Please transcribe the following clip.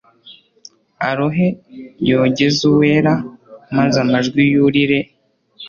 arohe yogeze uwera maze amajwi yurire